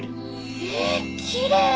えっきれい！